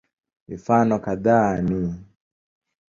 Mifano kadhaa ni